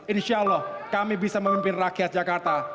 insya allah kami bisa memimpin rakyat jakarta